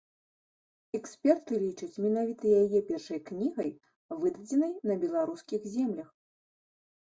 Эксперты лічаць менавіта яе першай кнігай, выдадзенай на беларускіх землях.